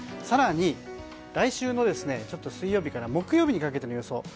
更に、来週の水曜日から木曜日にかけての予想。